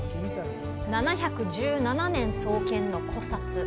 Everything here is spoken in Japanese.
７１７年創建の古刹。